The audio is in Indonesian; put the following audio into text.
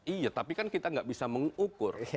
iya tapi kan kita nggak bisa mengukur